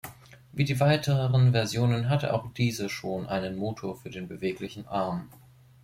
Wie die weiteren Versionen hatte auch diese schon einem Motor für den beweglichen Arm.